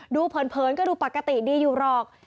เผินก็ดูปกติดีอยู่หรอก